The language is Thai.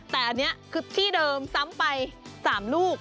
แต่อันนี้คือที่เดิมซ้ำไป๓ลูก